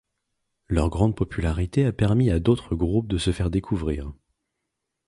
Leur grande popularité a permis à d’autres groupes de se faire découvrir.